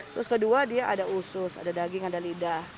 terus kedua dia ada usus ada daging ada lidah